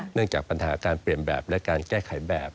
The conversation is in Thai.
เนื่องจากปัญหาการเปลี่ยนแบบและการแก้ไขแบบ